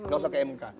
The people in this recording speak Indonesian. gak usah ke mk